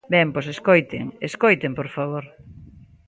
Ben, pois escoiten, escoiten por favor.